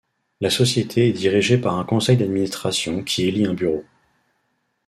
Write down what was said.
La Société est dirigée par un conseil d'administration qui élit un bureau.